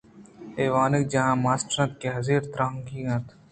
اے وانگجاہ ءِ ماسٹر اَت کہ زہر ءَ ترٛکگی اَت